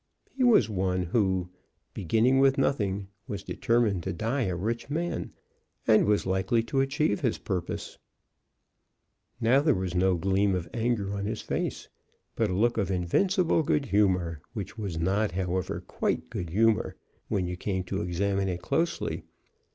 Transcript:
He was one who, beginning with nothing, was determined to die a rich man, and was likely to achieve his purpose. Now there was no gleam of anger on his face, but a look of invincible good humor, which was not, however, quite good humor, when you came to examine it closely.